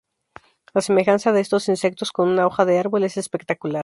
La semejanza de estos insectos con una hoja de árbol es espectacular.